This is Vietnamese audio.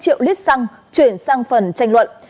hai trăm linh triệu lít xăng chuyển sang phần tranh luận